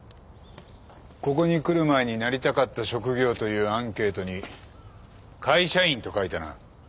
ここに来る前になりたかった職業というアンケートに「会社員」と書いたな。